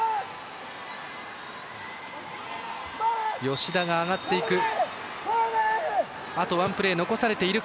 吉田が上がっていく。